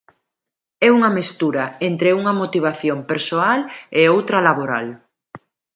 É unha mestura entre unha motivación persoal e outra laboral.